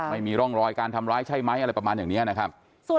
ไม่มีร่องรอยการทำร้ายใช่ไหมอะไรประมาณอย่างนี้นะครับ